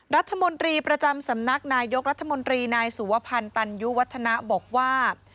รัฐมนตรีประจำสำนักนายกรัฐมนตรีนายสุวพันธ์ตันยุวัฒนะบอกว่า